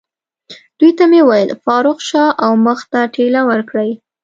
دوی ته مې وویل: فاروق، شا او مخ ته ټېله ورکړئ.